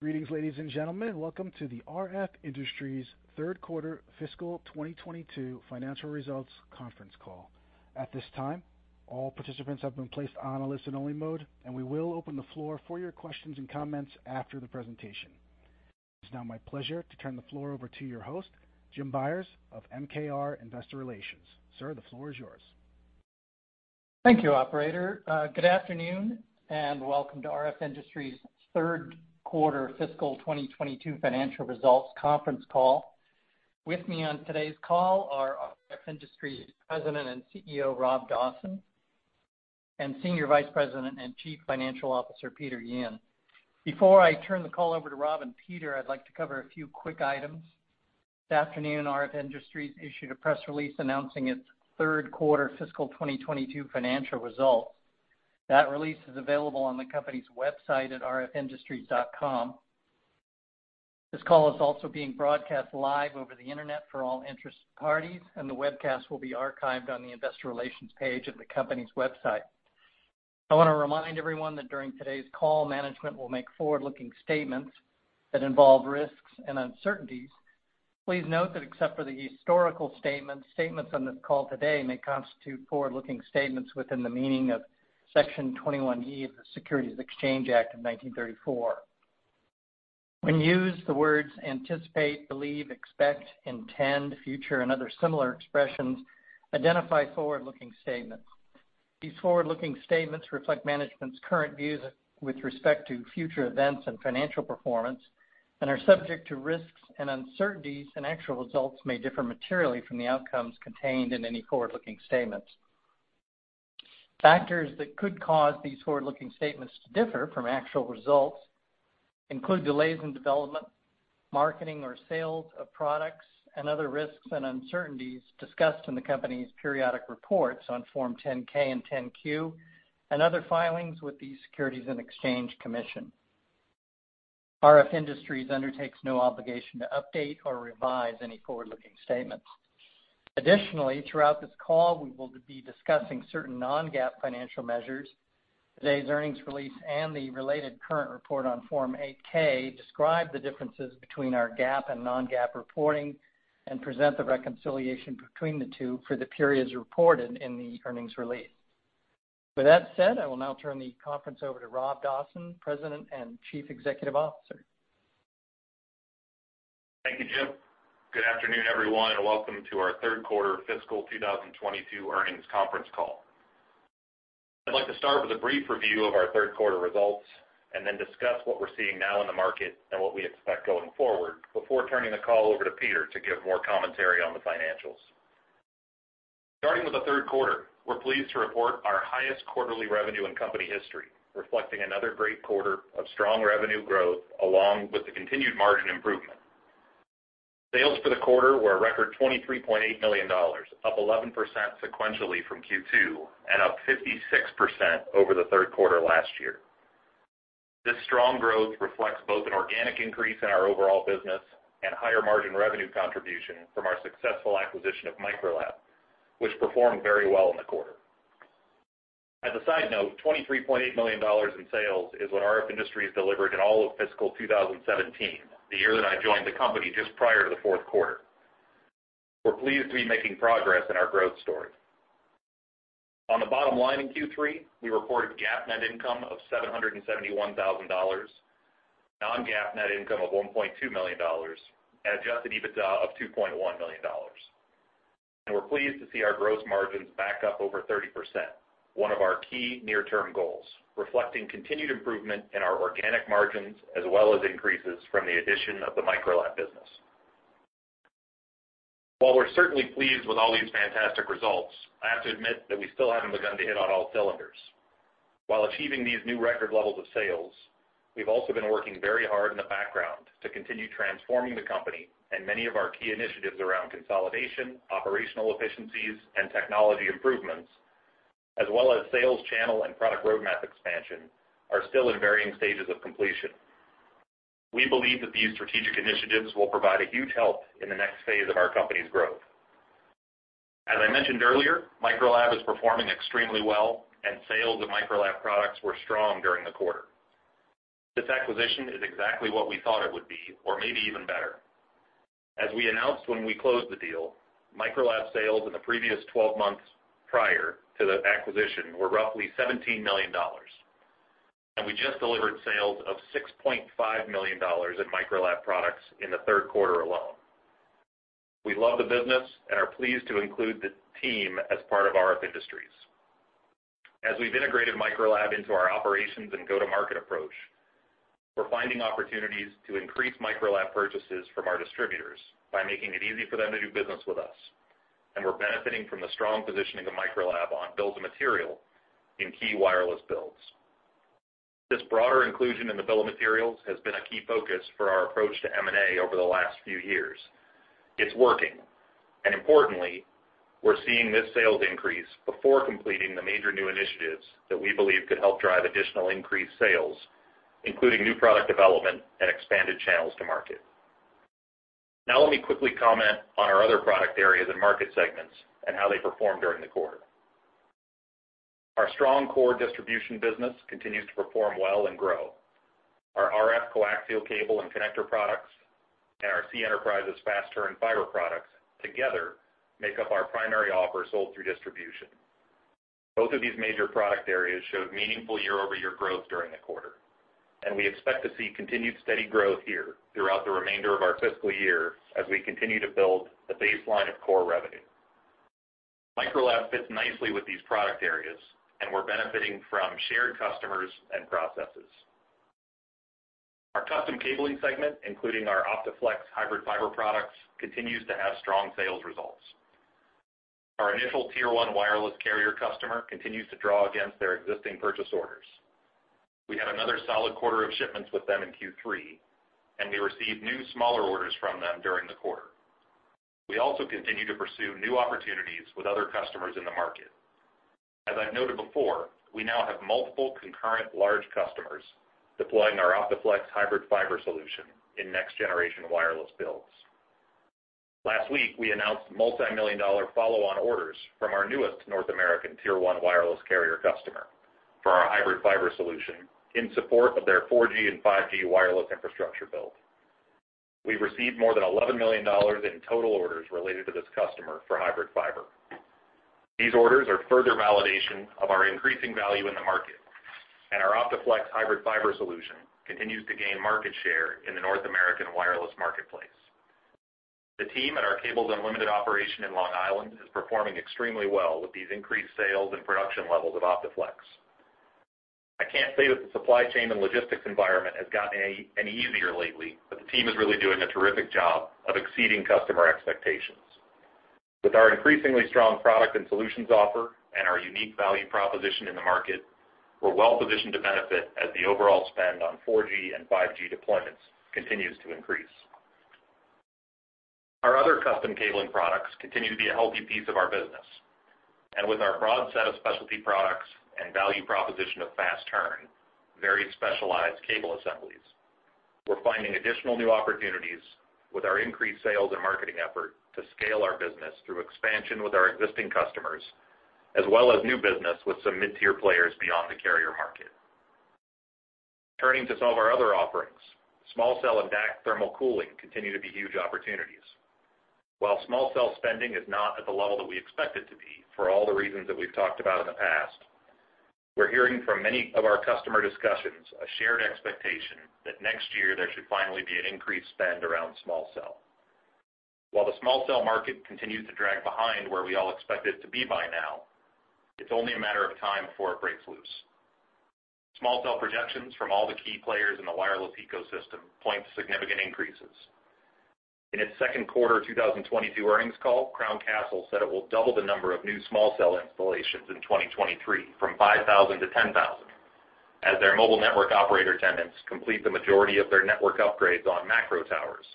Greetings, ladies and gentlemen. Welcome to the RF Industries third quarter fiscal 2022 financial results conference call. At this time, all participants have been placed on a listen only mode, and we will open the floor for your questions and comments after the presentation. It's now my pleasure to turn the floor over to your host, Jim Byers of MKR Investor Relations. Sir, the floor is yours. Thank you, operator. Good afternoon and welcome to RF Industries third quarter fiscal 2022 financial results conference call. With me on today's call are RF Industries President and CEO, Rob Dawson, and Senior Vice President and Chief Financial Officer, Peter Yin. Before I turn the call over to Rob and Peter, I'd like to cover a few quick items. This afternoon, RF Industries issued a press release announcing its third quarter fiscal 2022 financial results. That release is available on the company's website at rfindustries.com. This call is also being broadcast live over the Internet for all interested parties, and the webcast will be archived on the investor relations page of the company's website. I want to remind everyone that during today's call, management will make forward-looking statements that involve risks and uncertainties. Please note that except for the historical statements on this call today may constitute forward-looking statements within the meaning of Section 21E of the Securities Exchange Act of 1934. When used, the words anticipate, believe, expect, intend, future, and other similar expressions identify forward-looking statements. These forward-looking statements reflect management's current views with respect to future events and financial performance and are subject to risks and uncertainties, and actual results may differ materially from the outcomes contained in any forward-looking statements. Factors that could cause these forward-looking statements to differ from actual results include delays in development, marketing, or sales of products and other risks and uncertainties discussed in the company's periodic reports on Form 10-K and 10-Q and other filings with the Securities and Exchange Commission. RF Industries undertakes no obligation to update or revise any forward-looking statements. Additionally, throughout this call, we will be discussing certain non-GAAP financial measures. Today's earnings release and the related current report on Form 8-K describe the differences between our GAAP and non-GAAP reporting and present the reconciliation between the two for the periods reported in the earnings release. With that said, I will now turn the conference over to Rob Dawson, President and Chief Executive Officer. Thank you, Jim. Good afternoon, everyone, and welcome to our third quarter fiscal 2022 earnings conference call. I'd like to start with a brief review of our third quarter results and then discuss what we're seeing now in the market and what we expect going forward before turning the call over to Peter to give more commentary on the financials. Starting with the third quarter, we're pleased to report our highest quarterly revenue in company history, reflecting another great quarter of strong revenue growth along with the continued margin improvement. Sales for the quarter were a record $23.8 million, up 11% sequentially from Q2 and up 56% over the third quarter last year. This strong growth reflects both an organic increase in our overall business and higher margin revenue contribution from our successful acquisition of Microlab, which performed very well in the quarter. As a side note, $23.8 million in sales is what RF Industries delivered in all of fiscal 2017, the year that I joined the company just prior to the fourth quarter. We're pleased to be making progress in our growth story. On the bottom line in Q3, we reported GAAP net income of $771,000, non-GAAP net income of $1.2 million, and adjusted EBITDA of $2.1 million. We're pleased to see our gross margins back up over 30%, one of our key near-term goals, reflecting continued improvement in our organic margins as well as increases from the addition of the Microlab business. While we're certainly pleased with all these fantastic results, I have to admit that we still haven't begun to hit on all cylinders. While achieving these new record levels of sales, we've also been working very hard in the background to continue transforming the company and many of our key initiatives around consolidation, operational efficiencies, and technology improvements, as well as sales channel and product roadmap expansion are still in varying stages of completion. We believe that these strategic initiatives will provide a huge help in the next phase of our company's growth. As I mentioned earlier, Microlab is performing extremely well and sales of Microlab products were strong during the quarter. This acquisition is exactly what we thought it would be or maybe even better. As we announced when we closed the deal, Microlab sales in the previous twelve months prior to the acquisition were roughly $17 million, and we just delivered sales of $6.5 million in Microlab products in the third quarter alone. We love the business and are pleased to include the team as part of RF Industries. As we've integrated Microlab into our operations and go-to-market approach, we're finding opportunities to increase Microlab purchases from our distributors by making it easy for them to do business with us. We're benefiting from the strong positioning of Microlab on bills of material in key wireless builds. This broader inclusion in the bills of materials has been a key focus for our approach to M&A over the last few years. It's working. Importantly, we're seeing this sales increase before completing the major new initiatives that we believe could help drive additional increased sales, including new product development and expanded channels to market. Now, let me quickly comment on our other product areas and market segments and how they performed during the quarter. Our strong core distribution business continues to perform well and grow. Our RF coaxial cable and connector products and our C Enterprises fast turn fiber products together make up our primary offer sold through distribution. Both of these major product areas showed meaningful year-over-year growth during the quarter, and we expect to see continued steady growth here throughout the remainder of our fiscal year as we continue to build the baseline of core revenue. Microlab fits nicely with these product areas, and we're benefiting from shared customers and processes. Our custom cabling segment, including our OptiFlex hybrid fiber products, continues to have strong sales results. Our initial tier one wireless carrier customer continues to draw against their existing purchase orders. We had another solid quarter of shipments with them in Q3, and we received new smaller orders from them during the quarter. We also continue to pursue new opportunities with other customers in the market. As I've noted before, we now have multiple concurrent large customers deploying our OptiFlex hybrid fiber solution in next-generation wireless builds. Last week, we announced multimillion-dollar follow-on orders from our newest North American tier one wireless carrier customer for our hybrid fiber solution in support of their 4G and 5G wireless infrastructure build. We've received more than $11 million in total orders related to this customer for hybrid fiber. These orders are further validation of our increasing value in the market, and our OptiFlex hybrid fiber solution continues to gain market share in the North American wireless marketplace. The team at our Cables Unlimited operation in Long Island is performing extremely well with these increased sales and production levels of OptiFlex. I can't say that the supply chain and logistics environment has gotten any easier lately, but the team is really doing a terrific job of exceeding customer expectations. With our increasingly strong product and solutions offer and our unique value proposition in the market, we're well-positioned to benefit as the overall spend on 4G and 5G deployments continues to increase. Our other custom cabling products continue to be a healthy piece of our business, and with our broad set of specialty products and value proposition of fast turn, varied specialized cable assemblies, we're finding additional new opportunities with our increased sales and marketing effort to scale our business through expansion with our existing customers, as well as new business with some mid-tier players beyond the carrier market. Turning to some of our other offerings, small cell and DAC thermal cooling continue to be huge opportunities. While small cell spending is not at the level that we expect it to be for all the reasons that we've talked about in the past, we're hearing from many of our customer discussions a shared expectation that next year there should finally be an increased spend around small cell. While the small cell market continues to drag behind where we all expect it to be by now, it's only a matter of time before it breaks loose. Small cell projections from all the key players in the wireless ecosystem point to significant increases. In its second quarter 2022 earnings call, Crown Castle said it will double the number of new small cell installations in 2023 from 5,000 to 10,000 as their mobile network operator tenants complete the majority of their network upgrades on macro towers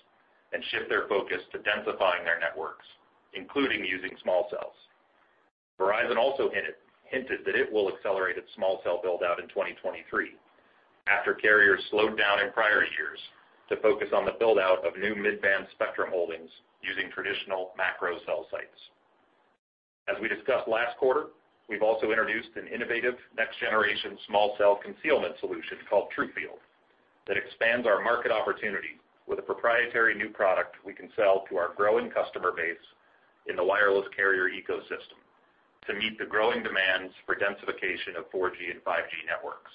and shift their focus to densifying their networks, including using small cells. Verizon also hinted that it will accelerate its small cell build-out in 2023 after carriers slowed down in prior years to focus on the build-out of new mid-band spectrum holdings using traditional macro cell sites. As we discussed last quarter, we've also introduced an innovative next-generation small cell concealment solution called TruField that expands our market opportunity with a proprietary new product we can sell to our growing customer base in the wireless carrier ecosystem to meet the growing demands for densification of 4G and 5G networks.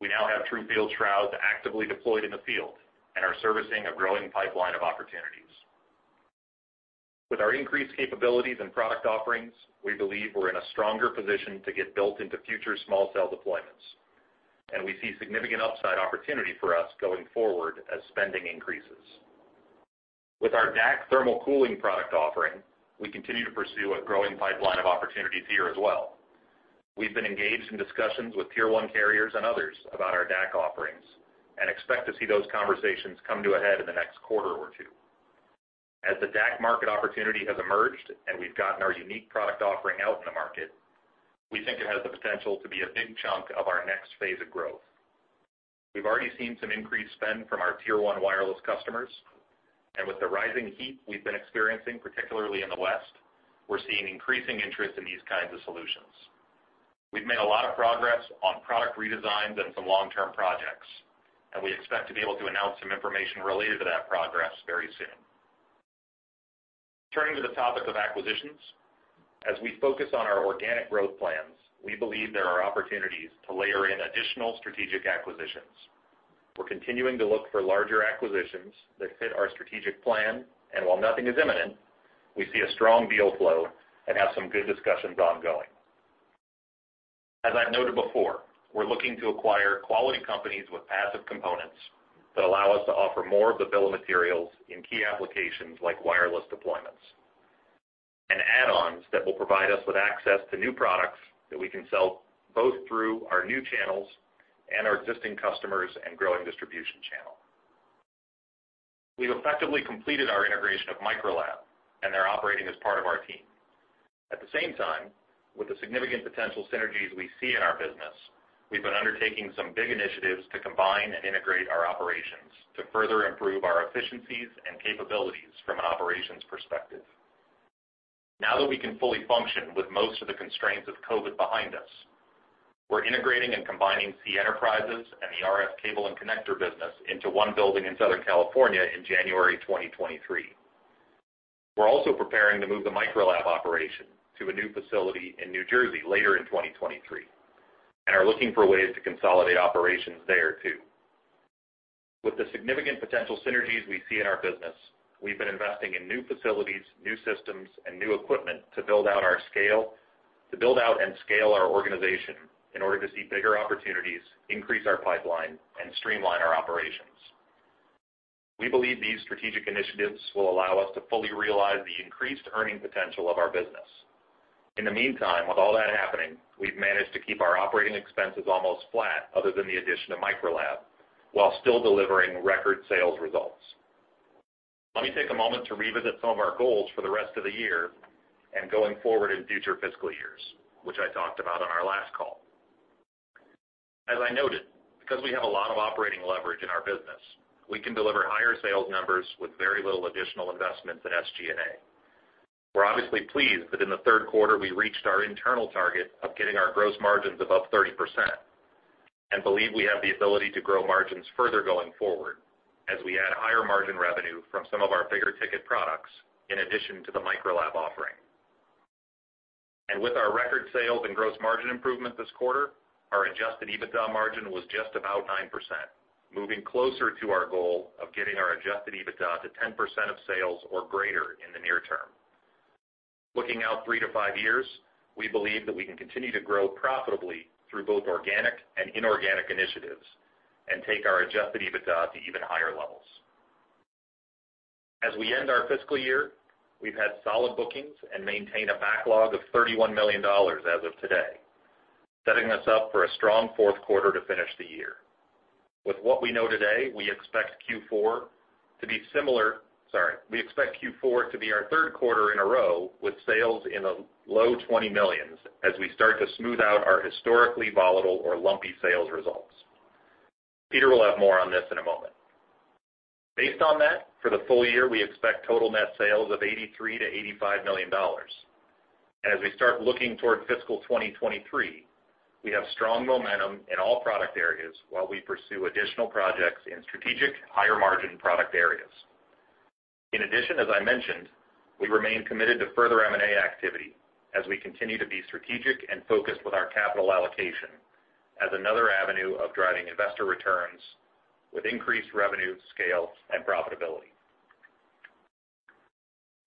We now have TruField shrouds actively deployed in the field and are servicing a growing pipeline of opportunities. With our increased capabilities and product offerings, we believe we're in a stronger position to get built into future small cell deployments, and we see significant upside opportunity for us going forward as spending increases. With our DAC thermal cooling product offering, we continue to pursue a growing pipeline of opportunities here as well. We've been engaged in discussions with Tier 1 carriers and others about our DAC offerings and expect to see those conversations come to a head in the next quarter or two. As the DAC market opportunity has emerged and we've gotten our unique product offering out in the market, we think it has the potential to be a big chunk of our next phase of growth. We've already seen some increased spend from our tier one wireless customers, and with the rising heat we've been experiencing, particularly in the West, we're seeing increasing interest in these kinds of solutions. We've made a lot of progress on product redesigns and some long-term projects, and we expect to be able to announce some information related to that progress very soon. Turning to the topic of acquisitions, as we focus on our organic growth plans, we believe there are opportunities to layer in additional strategic acquisitions. We're continuing to look for larger acquisitions that fit our strategic plan, and while nothing is imminent, we see a strong deal flow and have some good discussions ongoing. As I've noted before, we're looking to acquire quality companies with passive components that allow us to offer more of the bill of materials in key applications like wireless deployments and add-ons that will provide us with access to new products that we can sell both through our new channels and our existing customers and growing distribution channel. We've effectively completed our integration of Microlab, and they're operating as part of our team. At the same time, with the significant potential synergies we see in our business. We've been undertaking some big initiatives to combine and integrate our operations to further improve our efficiencies and capabilities from an operations perspective. Now that we can fully function with most of the constraints of COVID behind us, we're integrating and combining C Enterprises and the RF cable and connector business into one building in Southern California in January 2023. We're also preparing to move the Microlab operation to a new facility in New Jersey later in 2023, and are looking for ways to consolidate operations there too. With the significant potential synergies we see in our business, we've been investing in new facilities, new systems, and new equipment to build out and scale our organization in order to see bigger opportunities, increase our pipeline, and streamline our operations. We believe these strategic initiatives will allow us to fully realize the increased earning potential of our business. In the meantime, with all that happening, we've managed to keep our operating expenses almost flat other than the addition of Microlab, while still delivering record sales results. Let me take a moment to revisit some of our goals for the rest of the year and going forward in future fiscal years, which I talked about on our last call. As I noted, because we have a lot of operating leverage in our business, we can deliver higher sales numbers with very little additional investments in SG&A. We're obviously pleased that in the third quarter we reached our internal target of getting our gross margins above 30%, and believe we have the ability to grow margins further going forward as we add higher margin revenue from some of our bigger ticket products, in addition to the Microlab offering. With our record sales and gross margin improvement this quarter, our adjusted EBITDA margin was just about 9%, moving closer to our goal of getting our adjusted EBITDA to 10% of sales or greater in the near term. Looking out three to five years, we believe that we can continue to grow profitably through both organic and inorganic initiatives and take our adjusted EBITDA to even higher levels. As we end our fiscal year, we've had solid bookings and maintain a backlog of $31 million as of today, setting us up for a strong fourth quarter to finish the year. With what we know today, we expect Q4 to be our third quarter in a row with sales in the low $20 millions as we start to smooth out our historically volatile or lumpy sales results. Peter will have more on this in a moment. Based on that, for the full year, we expect total net sales of $83 million-$85 million. As we start looking toward fiscal 2023, we have strong momentum in all product areas while we pursue additional projects in strategic higher margin product areas. In addition, as I mentioned, we remain committed to further M&A activity as we continue to be strategic and focused with our capital allocation as another avenue of driving investor returns with increased revenue, scale, and profitability.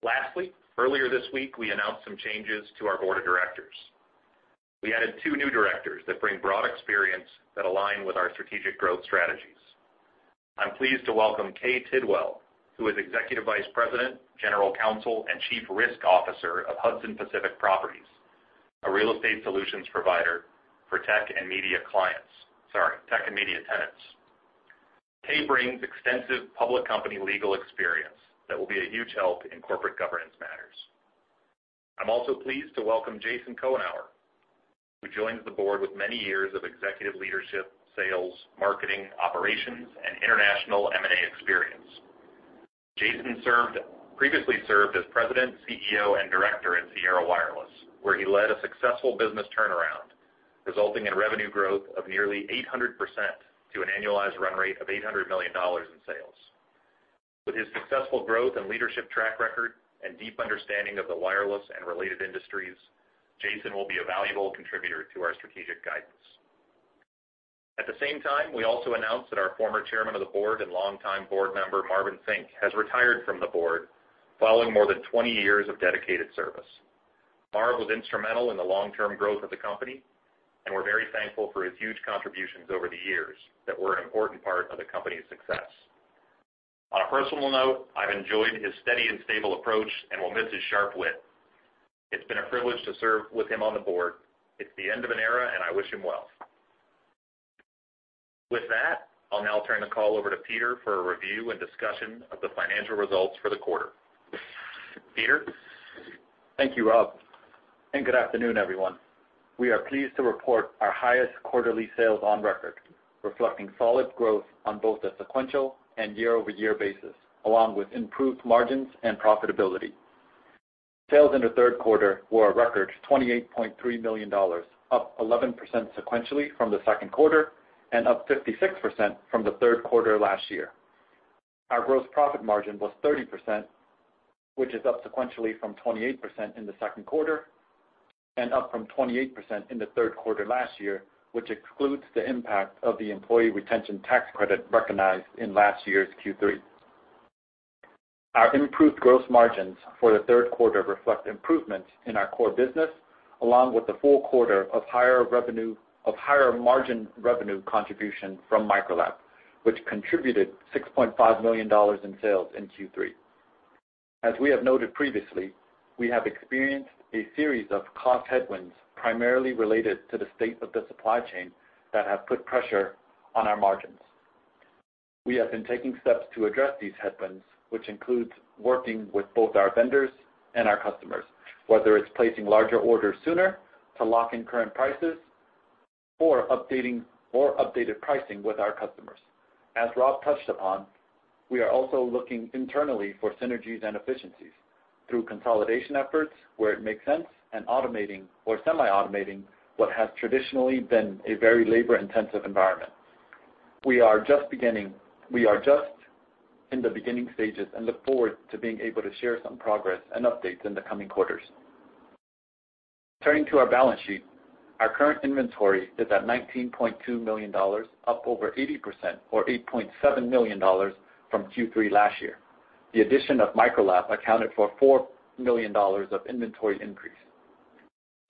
Lastly, earlier this week, we announced some changes to our board of directors. We added two new directors that bring broad experience that align with our strategic growth strategies. I'm pleased to welcome Kay Tidwell, who is Executive Vice President, General Counsel, and Chief Risk Officer of Hudson Pacific Properties, a real estate solutions provider for tech and media tenants. Kay brings extensive public company legal experience that will be a huge help in corporate governance matters. I'm also pleased to welcome Jason Cohenour, who joins the board with many years of executive leadership, sales, marketing, operations, and international M&A experience. Jason served as president, CEO, and director at Sierra Wireless, where he led a successful business turnaround, resulting in revenue growth of nearly 800% to an annualized run rate of $800 million in sales. With his successful growth and leadership track record and deep understanding of the wireless and related industries, Jason will be a valuable contributor to our strategic guidance. At the same time, we also announced that our former Chairman of the Board and longtime Board Member, Marvin Fink, has retired from the board following more than 20 years of dedicated service. Marv was instrumental in the long-term growth of the company, and we're very thankful for his huge contributions over the years that were an important part of the company's success. On a personal note, I've enjoyed his steady and stable approach and will miss his sharp wit. It's been a privilege to serve with him on the board. It's the end of an era, and I wish him well. With that, I'll now turn the call over to Peter for a review and discussion of the financial results for the quarter. Peter? Thank you, Rob, and good afternoon, everyone. We are pleased to report our highest quarterly sales on record, reflecting solid growth on both a sequential and year-over-year basis, along with improved margins and profitability. Sales in the third quarter were a record $23.8 million, up 11% sequentially from the second quarter and up 56% from the third quarter last year. Our gross profit margin was 30%, which is up sequentially from 28% in the second quarter and up from 28% in the third quarter last year, which excludes the impact of the Employee Retention Tax Credit recognized in last year's Q3. Our improved gross margins for the third quarter reflect improvements in our core business, along with the full quarter of higher margin revenue contribution from Microlab, which contributed $6.5 million in sales in Q3. As we have noted previously, we have experienced a series of cost headwinds primarily related to the state of the supply chain that have put pressure on our margins. We have been taking steps to address these headwinds, which includes working with both our vendors and our customers, whether it's placing larger orders sooner to lock in current prices or updating more updated pricing with our customers. As Rob touched upon, we are also looking internally for synergies and efficiencies through consolidation efforts where it makes sense and automating or semi-automating what has traditionally been a very labor-intensive environment. We are just in the beginning stages and look forward to being able to share some progress and updates in the coming quarters. Turning to our balance sheet, our current inventory is at $19.2 million, up over 80% or $8.7 million from Q3 last year. The addition of Microlab accounted for $4 million of inventory increase.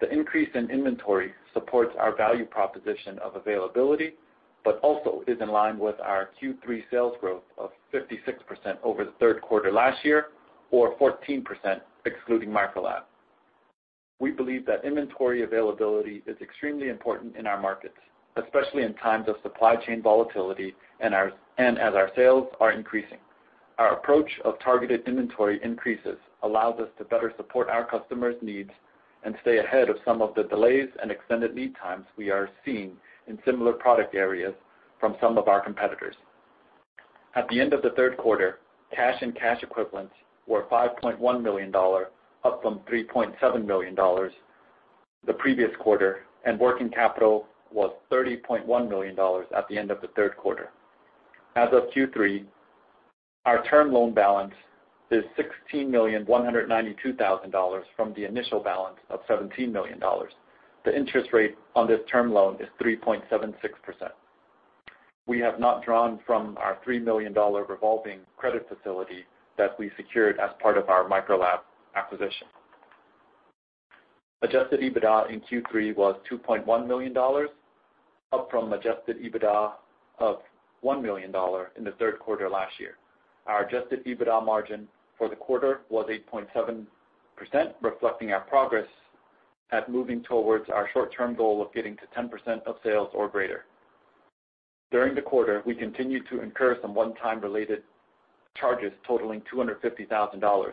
The increase in inventory supports our value proposition of availability, but also is in line with our Q3 sales growth of 56% over the third quarter last year or 14% excluding Microlab. We believe that inventory availability is extremely important in our markets, especially in times of supply chain volatility and as our sales are increasing. Our approach of targeted inventory increases allows us to better support our customers' needs and stay ahead of some of the delays and extended lead times we are seeing in similar product areas from some of our competitors. At the end of the third quarter, cash and cash equivalents were $5.1 million, up from $3.7 million the previous quarter, and working capital was $30.1 million at the end of the third quarter. As of Q3, our term loan balance is $16.192 million from the initial balance of $17 million. The interest rate on this term loan is 3.76%. We have not drawn from our $3 million revolving credit facility that we secured as part of our Microlab acquisition. Adjusted EBITDA in Q3 was $2.1 million, up from adjusted EBITDA of $1 million in the third quarter last year. Our adjusted EBITDA margin for the quarter was 8.7%, reflecting our progress at moving towards our short-term goal of getting to 10% of sales or greater. During the quarter, we continued to incur some one-time related charges totaling $250,000,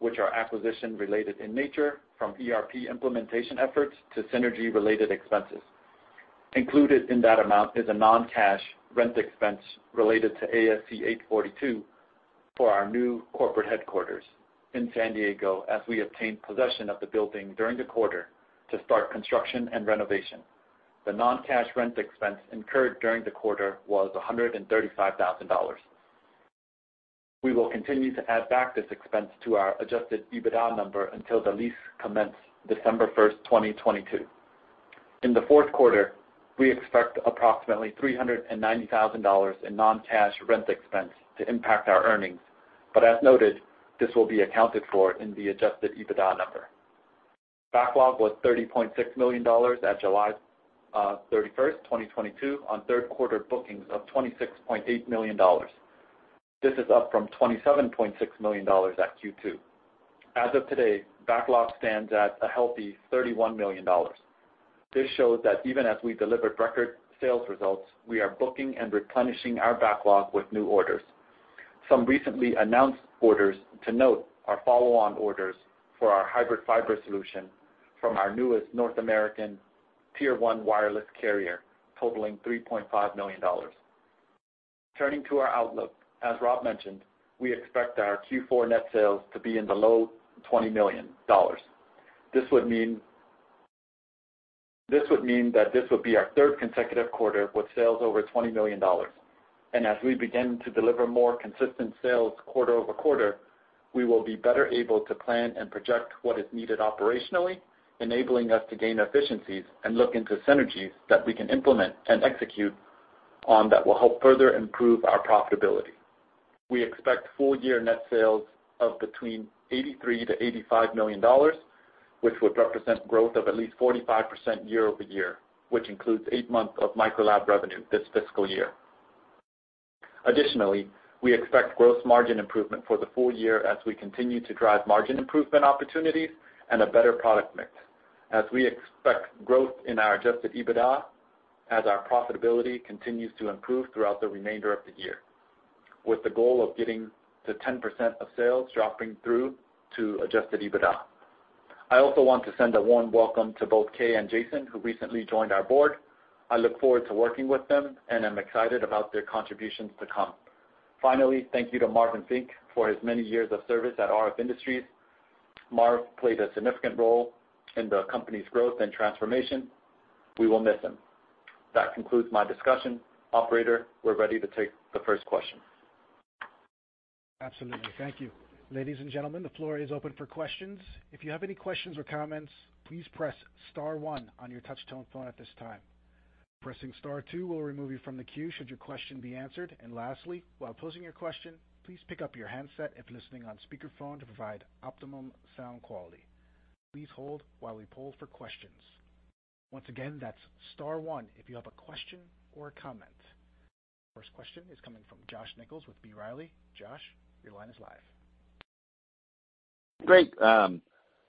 which are acquisition-related in nature from ERP implementation efforts to synergy-related expenses. Included in that amount is a non-cash rent expense related to ASC 842 for our new corporate headquarters in San Diego as we obtained possession of the building during the quarter to start construction and renovation. The non-cash rent expense incurred during the quarter was $135,000. We will continue to add back this expense to our adjusted EBITDA number until the lease commenced December 1st, 2022. In the fourth quarter, we expect approximately $390,000 in non-cash rent expense to impact our earnings, but as noted, this will be accounted for in the adjusted EBITDA number. Backlog was $30.6 million at July 31st, 2022 on third quarter bookings of $26.8 million. This is up from $27.6 million at Q2. As of today, backlog stands at a healthy $31 million. This shows that even as we delivered record sales results, we are booking and replenishing our backlog with new orders. Some recently announced orders to note are follow-on orders for our hybrid fiber solution from our newest North American tier one wireless carrier, totaling $3.5 million. Turning to our outlook, as Rob mentioned, we expect our Q4 net sales to be in the low $20 million. This would mean that this would be our third consecutive quarter with sales over $20 million. As we begin to deliver more consistent sales quarter-over-quarter, we will be better able to plan and project what is needed operationally, enabling us to gain efficiencies and look into synergies that we can implement and execute on that will help further improve our profitability. We expect full year net sales of between $83 million-$85 million, which would represent growth of at least 45% year-over-year, which includes eight months of Microlab revenue this fiscal year. Additionally, we expect gross margin improvement for the full year as we continue to drive margin improvement opportunities and a better product mix, as we expect growth in our adjusted EBITDA as our profitability continues to improve throughout the remainder of the year, with the goal of getting to 10% of sales dropping through to adjusted EBITDA. I also want to send a warm welcome to both Kay and Jason, who recently joined our board. I look forward to working with them and am excited about their contributions to come. Finally, thank you to Marvin Fink for his many years of service at RF Industries. Marv played a significant role in the company's growth and transformation. We will miss him. That concludes my discussion. Operator, we're ready to take the first question. Absolutely. Thank you. Ladies and gentlemen, the floor is open for questions. If you have any questions or comments, please press star one on your touch-tone phone at this time. Pressing star two will remove you from the queue should your question be answered. While posing your question, please pick up your handset if listening on speakerphone to provide optimum sound quality. Please hold while we poll for questions. Once again, that's star one if you have a question or a comment. First question is coming from Josh Nichols with B. Riley. Josh, your line is live. Great.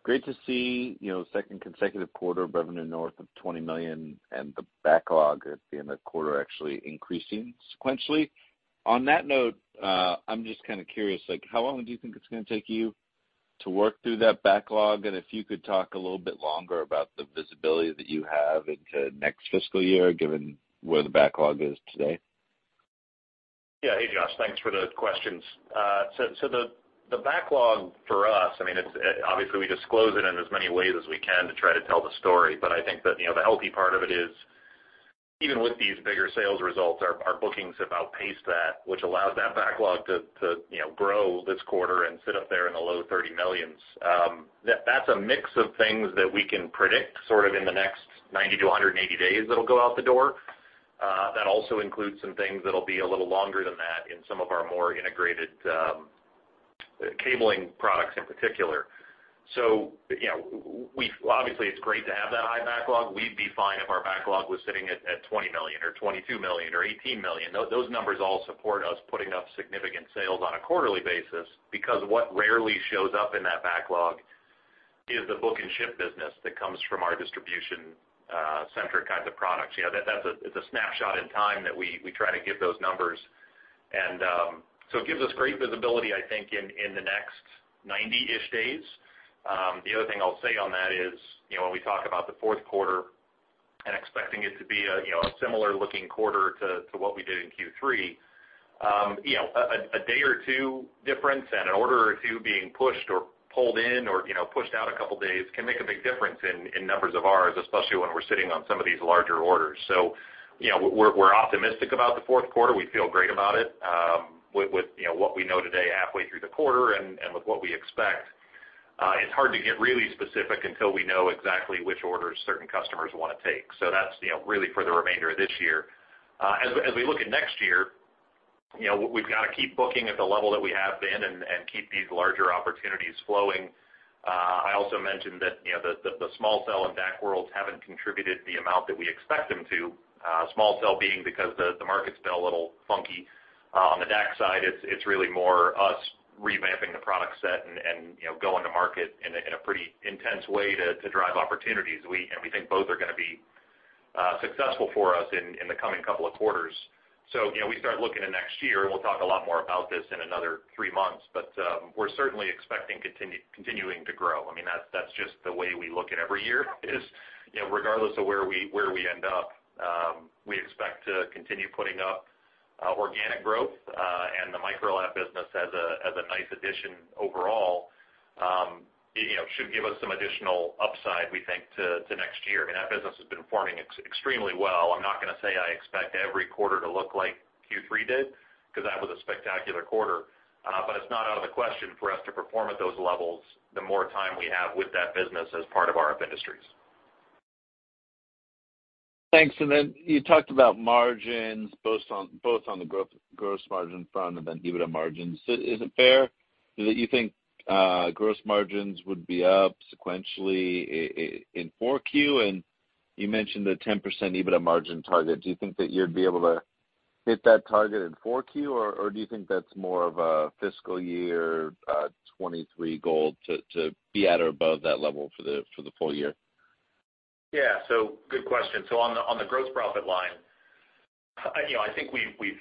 Great to see, you know, second consecutive quarter revenue north of $20 million and the backlog at the end of quarter actually increasing sequentially. On that note, I'm just kind of curious, like how long do you think it's gonna take you to work through that backlog? If you could talk a little bit longer about the visibility that you have into next fiscal year, given where the backlog is today. Yeah. Hey, Josh, thanks for the questions. The backlog for us, I mean, it's obviously we disclose it in as many ways as we can to try to tell the story, but I think that, you know, the healthy part of it is even with these bigger sales results, our bookings have outpaced that, which allows that backlog to you know, grow this quarter and sit up there in the low $30 millions. That's a mix of things that we can predict sort of in the next 90 to 180 days that'll go out the door. That also includes some things that'll be a little longer than that in some of our more integrated cabling products in particular. You know, obviously, it's great to have that high backlog. We'd be fine if our backlog was sitting at $20 million or $22 million or $18 million. Those numbers all support us putting up significant sales on a quarterly basis because what rarely shows up in that backlog is the book and ship business that comes from our distribution-centric kinds of products. You know, that's a snapshot in time that we try to give those numbers. It gives us great visibility, I think, in the next 90-ish days. The other thing I'll say on that is, you know, when we talk about the fourth quarter and expecting it to be a, you know, a similar looking quarter to what we did in Q3, you know, a day or two difference and an order or two being pushed or pulled in or, you know, pushed out a couple of days can make a big difference in our numbers, especially when we're sitting on some of these larger orders. You know, we're optimistic about the fourth quarter. We feel great about it, with, you know, what we know today halfway through the quarter and with what we expect. It's hard to get really specific until we know exactly which orders certain customers want to take. That's, you know, really for the remainder of this year. As we look at next year, you know, we've got to keep booking at the level that we have been and keep these larger opportunities flowing. I also mentioned that, you know, the small cell and DAC worlds haven't contributed the amount that we expect them to. Small cell being because the market's been a little funky. On the DAC side, it's really more us revamping the product set and, you know, going to market in a pretty intense way to drive opportunities. We think both are gonna be successful for us in the coming couple of quarters. You know, we start looking at next year, and we'll talk a lot more about this in another three months, but we're certainly expecting continuing to grow. I mean, that's just the way we look at every year is, you know, regardless of where we end up, we expect to continue putting up organic growth, and the Microlab business as a nice addition overall, you know, should give us some additional upside, we think to next year. I mean, that business has been performing extremely well. I'm not gonna say I expect every quarter to look like Q3 did, because that was a spectacular quarter. It's not out of the question for us to perform at those levels the more time we have with that business as part of RF Industries. Thanks. Then you talked about margins both on the gross margin front and then EBITDA margins. Is it fair that you think gross margins would be up sequentially in 4Q? You mentioned the 10% EBITDA margin target. Do you think that you'd be able to hit that target in 4Q, or do you think that's more of a fiscal year 2023 goal to be at or above that level for the full year? Yeah. Good question. On the gross profit line, you know, I think we've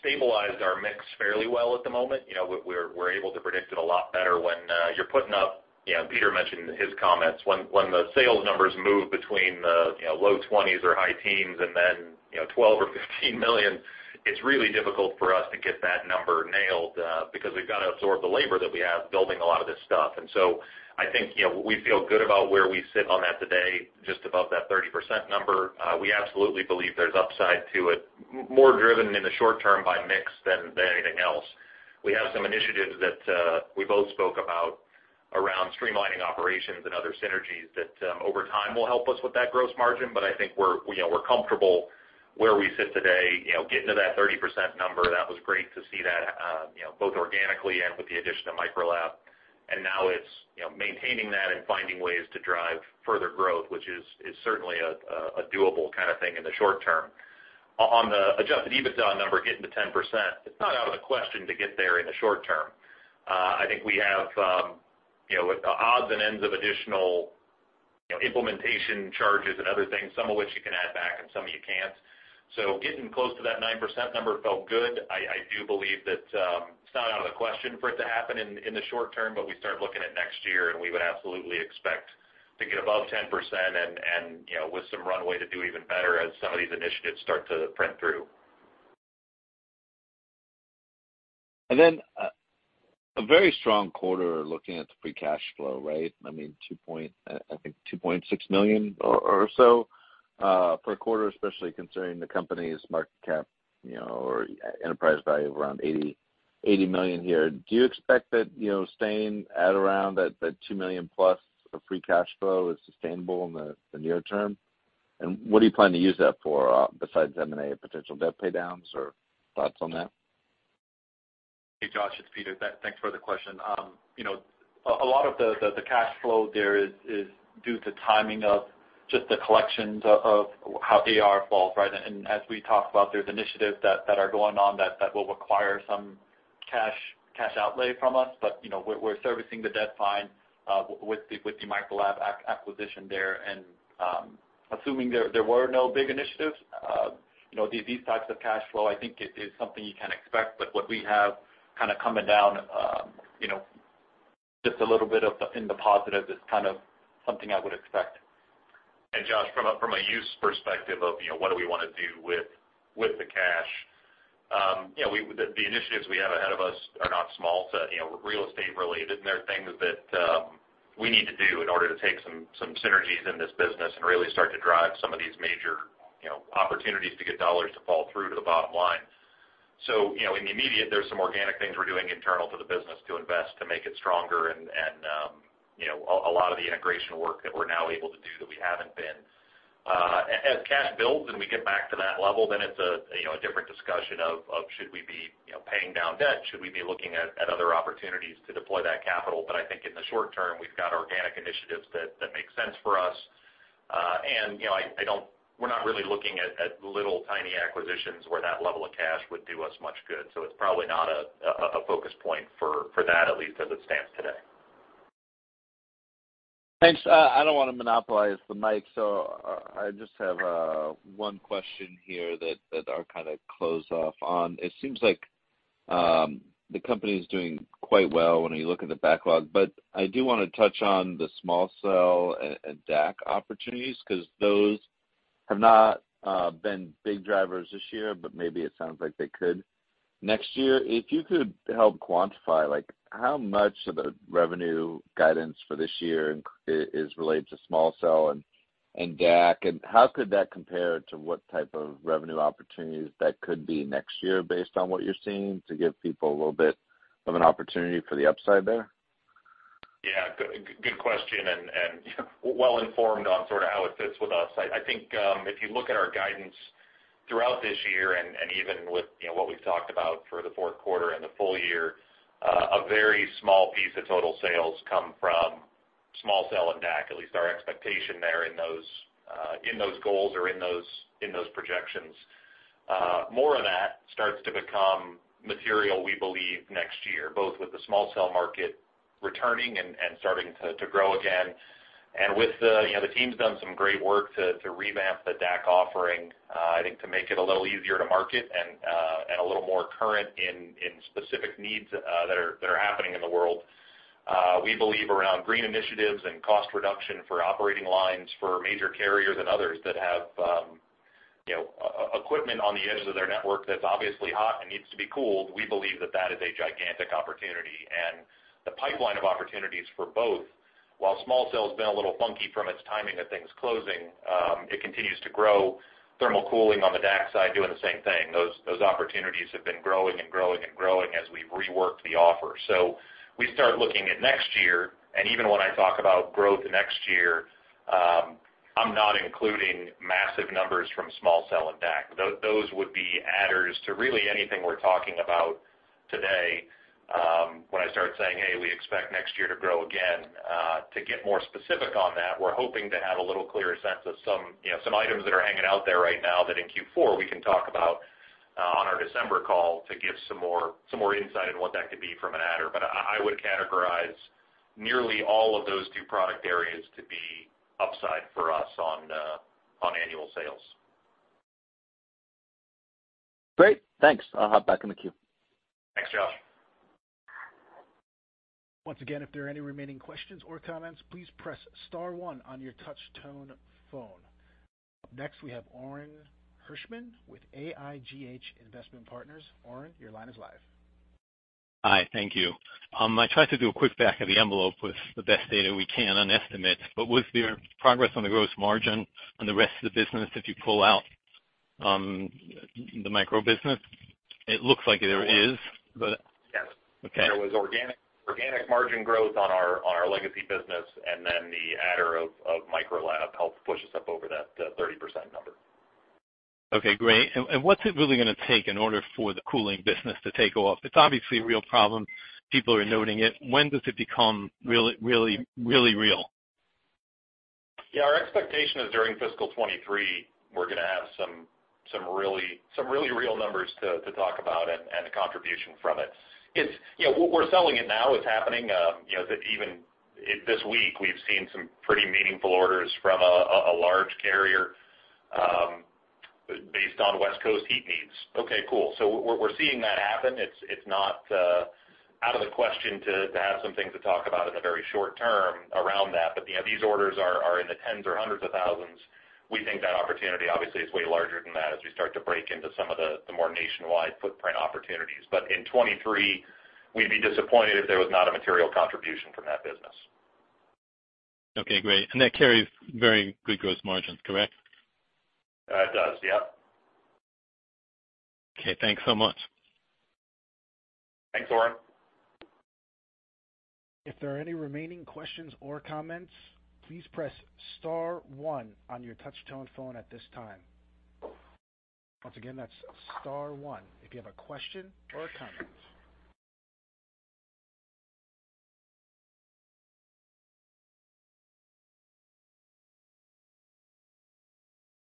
stabilized our mix fairly well at the moment. You know, we're able to predict it a lot better when you're putting up, you know, Peter mentioned in his comments, when the sales numbers move between the low 20s or high teens and then $12 million or $15 million, it's really difficult for us to get that number nailed because we've got to absorb the labor that we have building a lot of this stuff. I think, you know, we feel good about where we sit on that today, just above that 30% number. We absolutely believe there's upside to it, more driven in the short term by mix than anything else. We have some initiatives that we both spoke about around streamlining operations and other synergies that over time will help us with that gross margin. I think we're, you know, we're comfortable where we sit today, you know, getting to that 30% number, that was great to see that, you know, both organically and with the addition of Microlab. Now it's, you know, maintaining that and finding ways to drive further growth, which is certainly a doable kind of thing in the short term. On the adjusted EBITDA number, getting to 10%, it's not out of the question to get there in the short term. I think we have, you know, with the odds and ends of additional, you know, implementation charges and other things, some of which you can add back and some of you can't. Getting close to that 9% number felt good. I do believe that it's not out of the question for it to happen in the short term, but we start looking at next year, and we would absolutely expect to get above 10% and you know with some runway to do even better as some of these initiatives start to trend through. A very strong quarter looking at the free cash flow, right? I mean, $2.6 million or so per quarter, especially considering the company's market cap, you know, or enterprise value of around $80 million a year. Do you expect that, you know, staying at around that $2 million plus of free cash flow is sustainable in the near term? What do you plan to use that for, besides M&A potential debt pay downs or thoughts on that? Hey, Josh, it's Peter. Thanks for the question. You know, a lot of the cash flow there is due to timing of just the collections of how AR falls, right? As we talk about, there's initiatives that are going on that will require some cash outlay from us. You know, we're servicing the debt fine with the Microlab acquisition there. Assuming there were no big initiatives, you know, these types of cash flow, I think it is something you can expect. What we have kind of coming down, you know, just a little bit in the positive is kind of something I would expect. Josh, from a use perspective of, you know, what do we wanna do with the cash, you know, the initiatives we have ahead of us are not small. You know, real estate related, and there are things that we need to do in order to take some synergies in this business and really start to drive some of these major, you know, opportunities to get dollars to fall through to the bottom line. You know, in the immediate, there's some organic things we're doing internal to the business to invest to make it stronger and a lot of the integration work that we're now able to do that we haven't been. As cash builds and we get back to that level, then it's a you know a different discussion of should we be you know paying down debt? Should we be looking at other opportunities to deploy that capital? I think in the short term, we've got organic initiatives that make sense for us. You know, we're not really looking at little tiny acquisitions where that level of cash would do us much good. It's probably not a focus point for that, at least as it stands today. Thanks. I don't wanna monopolize the mic, so I just have one question here that I'll kinda close off on. It seems like the company is doing quite well when you look at the backlog, but I do wanna touch on the small cell and DAC opportunities, 'cause those have not been big drivers this year, but maybe it sounds like they could next year. If you could help quantify, like, how much of the revenue guidance for this year is related to small cell and DAC, and how could that compare to what type of revenue opportunities that could be next year based on what you're seeing to give people a little bit of an opportunity for the upside there? Yeah, good question and well informed on sort of how it fits with us. I think, if you look at our guidance throughout this year and even with, you know, what we've talked about for the fourth quarter and the full year, a very small piece of total sales come from small cell and DAC, at least our expectation there in those goals or in those projections. More of that starts to become material, we believe, next year, both with the small cell market returning and starting to grow again. With the, you know, the team's done some great work to revamp the DAC offering. I think to make it a little easier to market and a little more current in specific needs that are happening in the world. We believe around green initiatives and cost reduction for operating lines for major carriers and others that have, you know, equipment on the edges of their network that's obviously hot and needs to be cooled. We believe that is a gigantic opportunity. The pipeline of opportunities for both, while small cell's been a little funky from its timing of things closing, it continues to grow. Thermal cooling on the DAC side, doing the same thing. Those opportunities have been growing and growing and growing as we've reworked the offer. We start looking at next year, and even when I talk about growth next year, I'm not including massive numbers from small cell and DAC. Those would be adders to really anything we're talking about today, when I start saying, "Hey, we expect next year to grow again." To get more specific on that, we're hoping to have a little clearer sense of some, you know, some items that are hanging out there right now that in Q4 we can talk about, on our December call to give some more insight on what that could be from an adder. I would categorize nearly all of those two product areas to be upside for us on annual sales. Great. Thanks. I'll hop back in the queue. Thanks, Josh. Once again, if there are any remaining questions or comments, please press star one on your touch tone phone. Next, we have Orin Hirschman with AIGH Investment Partners. Orin, your line is live. Hi. Thank you. I tried to do a quick back of the envelope with the best data we can on estimates, but was there progress on the gross margin on the rest of the business if you pull out the Microlab business? It looks like there is. Yes. Okay. There was organic margin growth on our legacy business, and then the adder of Microlab helped push us up over that 30% number. Okay, great. What's it really gonna take in order for the cooling business to take off? It's obviously a real problem. People are noting it. When does it become really, really, really real? Yeah, our expectation is during fiscal 2023, we're gonna have some really real numbers to talk about and a contribution from it. You know, we're selling it now. It's happening. You know, even this week, we've seen some pretty meaningful orders from a large carrier based on West Coast heat needs. Okay, cool. So we're seeing that happen. It's not out of the question to have some things to talk about in the very short term around that. You know, these orders are in the tens or hundreds of thousands. We think that opportunity obviously is way larger than that as we start to break into some of the more nationwide footprint opportunities. In 2023, we'd be disappointed if there was not a material contribution from that business. Okay, great. That carries very good gross margins, correct? It does, yep. Okay, thanks so much. Thanks, Orin. If there are any remaining questions or comments, please press star one on your touch tone phone at this time. Once again, that's star one if you have a question or a comment.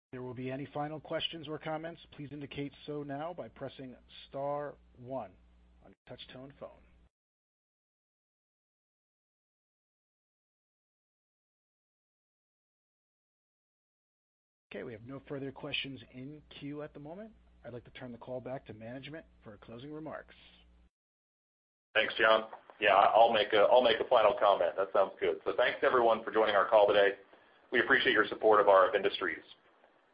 If there will be any final questions or comments, please indicate so now by pressing star one on your touch tone phone. Okay, we have no further questions in queue at the moment. I'd like to turn the call back to management for closing remarks. Thanks, John. Yeah, I'll make a final comment. That sounds good. Thanks everyone for joining our call today. We appreciate your support of RF Industries.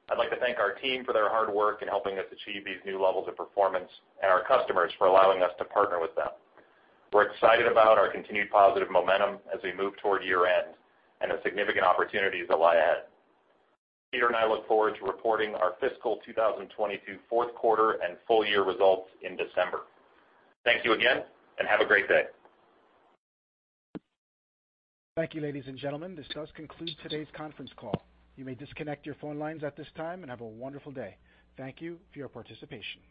I'd like to thank our team for their hard work in helping us achieve these new levels of performance and our customers for allowing us to partner with them. We're excited about our continued positive momentum as we move toward year-end and the significant opportunities that lie ahead. Peter and I look forward to reporting our fiscal 2022 fourth quarter and full year results in December. Thank you again, and have a great day. Thank you, ladies and gentlemen. This does conclude today's conference call. You may disconnect your phone lines at this time and have a wonderful day. Thank you for your participation.